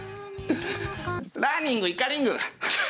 ラーニングイカリング。